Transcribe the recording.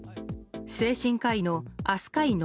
精神科医の飛鳥井望